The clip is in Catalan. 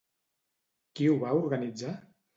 Qui ho va organitzar?